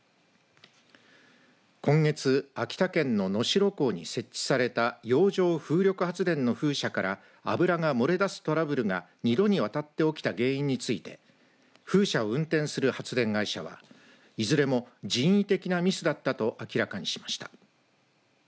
今月、秋田県の能代港に設置された洋上風力発電の風車から油が漏れ出すトラブルが２度にわたって起きた原因について風車を運転する発電会社はいずれも人為的なミスだったと明らかにしました。